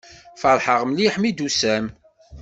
Feṛḥeɣ mliḥ mi d-tusam.